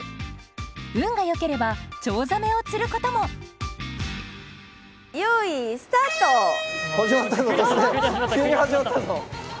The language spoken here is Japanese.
運がよければチョウザメを釣ることもよい始まったぞ突然！